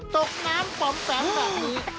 ตกน้ำป่อมแสงแบบนี้